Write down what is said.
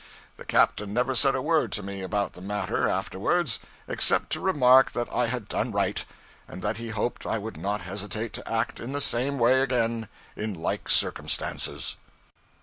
The captain never said a word to me about the matter afterwards, except to remark that I had done right, and that he hoped I would not hesitate to act in the same way again in like circumstances.